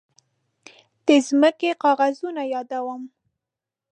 د ځمکې کاغذونه يادوم.